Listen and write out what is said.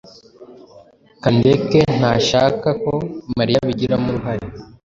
Kandeke ntashaka ko Mariya abigiramo uruhare.